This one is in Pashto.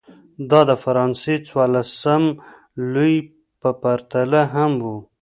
دا د فرانسې څوارلسم لويي په پرتله هم و.